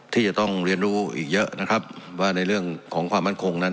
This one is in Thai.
ที่จะต้องเรียนรู้อีกเยอะนะครับว่าในเรื่องของความมั่นคงนั้น